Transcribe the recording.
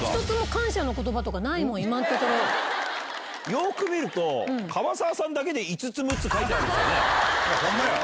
よく見ると加羽沢さんだけで５つ６つ書いてあるんですね。ホンマや！